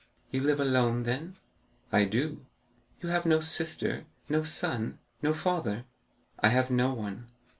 "You live alone, then?" "I do." "You have no sister—no son—no father?" "I have no one."